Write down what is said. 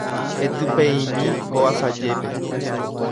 Etypeimi ko asajépe.